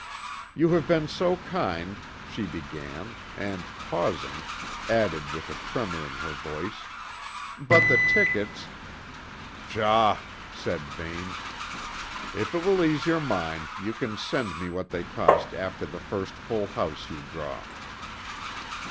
"You have been so kind," she began, and, pausing, added with a tremor in her voice: "But the tickets " "Pshaw!" said Vane. "If it will ease your mind, you can send me what they cost after the first full house you draw."